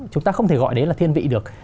chúng ta không thể gọi đấy là thiên vị được